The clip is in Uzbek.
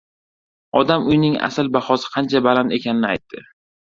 Odam uyning asl bahosi ancha baland ekanini aytdi.